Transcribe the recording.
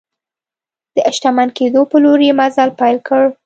د شتمن کېدو په لور یې مزل پیل کړ.